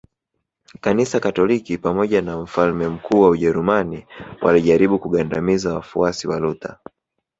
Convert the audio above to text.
Kanisa Katoliki pamoja na mfalme mkuu wa Ujerumani walijaribu kugandamiza wafuasi wa Luther